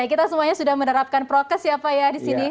kita semuanya sudah menerapkan prokes ya pak ya di sini